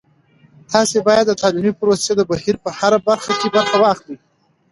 تاسې باید د تعلیمي پروسې د بهیر په هره برخه کې برخه واخلئ.